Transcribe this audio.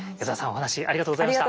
お話ありがとうございました。